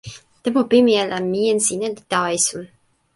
tenpo pimeja la, mi en sina li tawa esun.